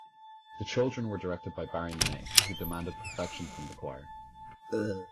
The children were directed by Barry Mineah, who demanded perfection from the choir.